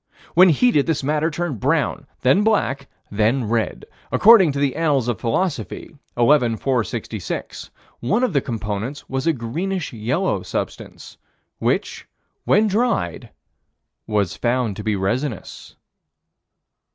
When heated, this matter turned brown, then black, then red. According to the Annals of Philosophy, 11 466, one of the components was a greenish yellow substance, which, when dried, was found to be resinous.